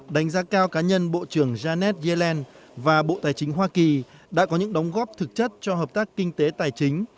đánh giá cao cá nhân bộ trưởng janet yellen và bộ tài chính hoa kỳ đã có những đóng góp thực chất cho hợp tác kinh tế tài chính